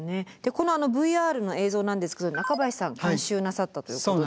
このＶＲの映像なんですけど中林さん監修なさったということで。